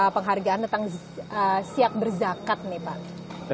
penghargaan tentang siap berzakat nih pak